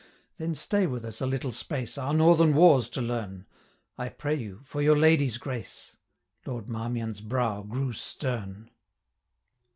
Then stay with us a little space, 225 Our northern wars to learn; I pray you, for your lady's grace!' Lord Marmion's brow grew stern.